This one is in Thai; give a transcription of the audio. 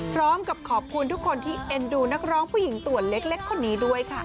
พร้อมกับขอบคุณทุกคนที่เอ็นดูนักร้องผู้หญิงตัวเล็กคนนี้ด้วยค่ะ